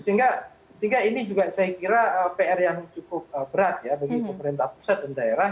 sehingga ini juga saya kira pr yang cukup berat ya bagi pemerintah pusat dan daerah